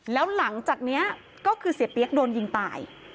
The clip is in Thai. แล้วหลังจากนี้ก็คือเสียเปี๊ยกโดนยิงตาย